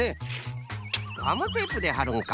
ガムテープではるんか。